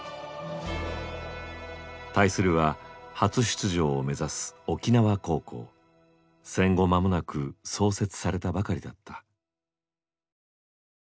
対するは初出場を目指す戦後まもなく創設されたばかりだった。